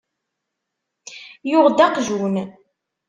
Yuɣ-d aqejjun.